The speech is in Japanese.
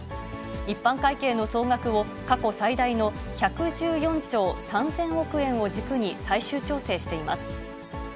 一般会計の総額を過去最大の１１４兆３０００億円を軸に最終調整しています。